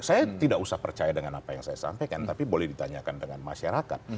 saya tidak usah percaya dengan apa yang saya sampaikan tapi boleh ditanyakan dengan masyarakat